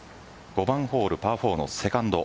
５番ホールパー４のセカンド。